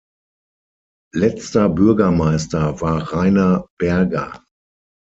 Letzter Bürgermeister war Rainer Berger.